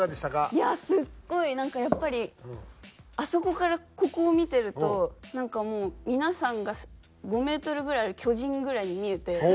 いやすごいなんかやっぱりあそこからここを見てるとなんかもう皆さんが５メートルぐらいある巨人ぐらいに見えて。